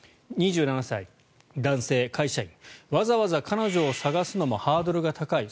２７歳、男性会社員わざわざ彼女を探すのもハードルが高い。